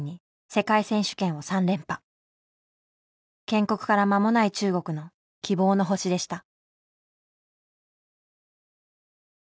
建国から間もない中国の希望の星でした。